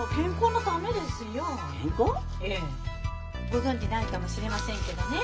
ご存じないかもしれませんけどね